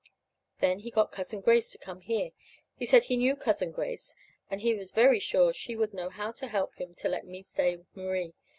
Then he got Cousin Grace to come here. He said he knew Cousin Grace, and he was very sure she would know how to help him to let me stay Marie.